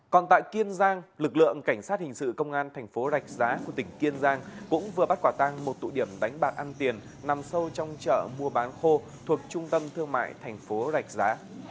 còn tại kiên giang lực lượng cảnh sát hình sự công an thành phố rạch giá của tỉnh kiên giang cũng vừa bắt quả tăng một tụ điểm đánh bạc ăn tiền nằm sâu trong chợ mua bán khô thuộc trung tâm thương mại thành phố rạch giá